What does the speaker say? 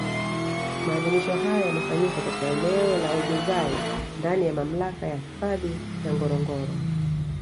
Maadhimisho hayo yamefanyika katika eneo la Olduvai ndani ya Mamlaka ya Hifadhi ya Ngorongoro